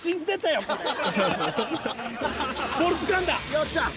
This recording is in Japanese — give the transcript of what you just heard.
よっしゃ。